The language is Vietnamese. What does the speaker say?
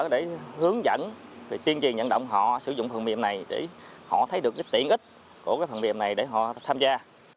để hướng dẫn tiên truyền nhận động họ sử dụng phần mềm này để họ thấy được tiện ích của phần mềm này để họ tham gia